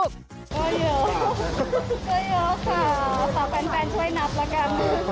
ก็เยอะค่ะฝากแฟนช่วยนับละกัน